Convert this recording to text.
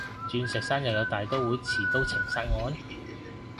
鑽石山又有大刀會持刀情殺案？